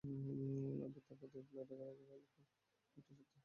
আবির তাই বাধ্য হয়ে ফ্ল্যাট কেনার জন্য রাজি হয়, তবে একটা শর্তে।